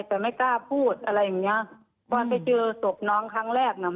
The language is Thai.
แต่ไม่กล้าพูดอะไรอย่างเงี้ยวันไปเจอศพน้องครั้งแรกน่ะ